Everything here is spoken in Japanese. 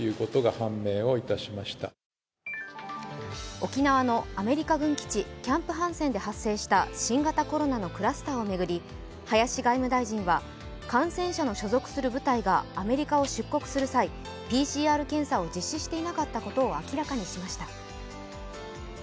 沖縄のアメリカ軍基地キャンプ・ハンセンで発声した新型コロナのクラスターを巡り、林外務大臣は感染者の所属する部隊がアメリカを出国する際ＰＣＲ検査を実施していなかったことを明らかにしました。